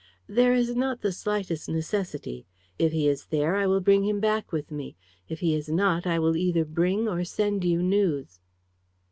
"There is not the slightest necessity. If he is there I will bring him back with me; if he is not I will either bring or send you news."